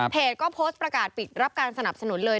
ก็โพสต์ประกาศปิดรับการสนับสนุนเลย